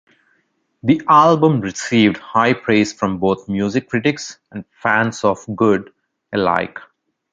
The album received high praise from both music critics and fans of Good alike.